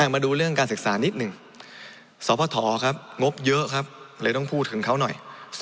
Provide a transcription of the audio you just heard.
มาดูเรื่องการศึกษานิดหนึ่งสพครับงบเยอะครับเลยต้องพูดถึงเขาหน่อย